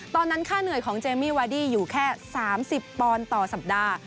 ค่าเหนื่อยของเจมมี่วาดี้อยู่แค่๓๐ปอนด์ต่อสัปดาห์